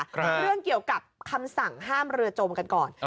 เรื่องเกี่ยวกับคำสั่งห้ามเรือจมกันก่อน